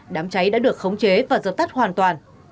đám cháy đã được khống chế và dập tắt hoàn toàn